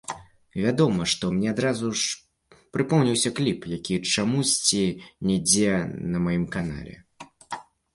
Вядома, што мне адразу ж прыпомніўся кліп, які чамусьці не ідзе на маім канале.